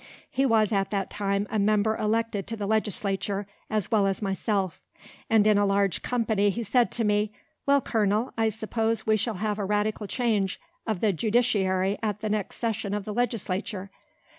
He was at that time a member elected to the Legislature, as well as myself; and in a large company he said to me, "Well, colonel, I suppose we shall have a radical change of the judiciary at the next session of the Legislature."